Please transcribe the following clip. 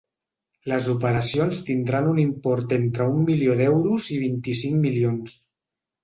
Les operacions tindran un import entre un milió d’euros i vint-i-cinc milions.